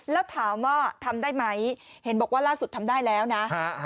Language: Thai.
แล้วถามว่าทำได้ไหมเห็นบอกว่าล่าสุดทำได้แล้วนะ